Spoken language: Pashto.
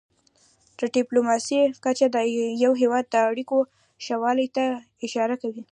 د ډيپلوماسی کچه د یو هېواد د اړیکو ښهوالي ته اشاره کوي.